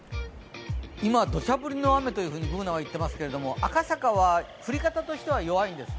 今、どしゃ降りの雨というふうにＢｏｏｎａは言っていますが、赤坂は降り方としては弱いんです。